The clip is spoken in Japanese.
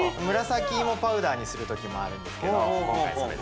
紫芋パウダーにするときもあるんですけど。